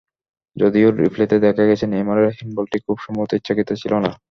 যদিও রিপ্লেতে দেখা গেছে, নেইমারের হ্যান্ডবলটি খুব সম্ভবত ইচ্ছাকৃত ছিল না।